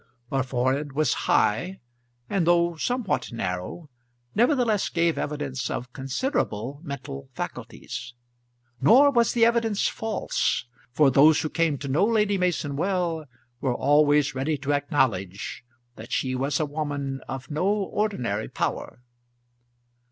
Her forehead was high, and though somewhat narrow, nevertheless gave evidence of considerable mental faculties; nor was the evidence false, for those who came to know Lady Mason well, were always ready to acknowledge that she was a woman of no ordinary power.